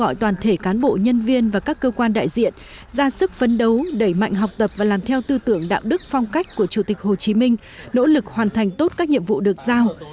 hội toàn thể cán bộ nhân viên và các cơ quan đại diện ra sức phấn đấu đẩy mạnh học tập và làm theo tư tưởng đạo đức phong cách của chủ tịch hồ chí minh nỗ lực hoàn thành tốt các nhiệm vụ được giao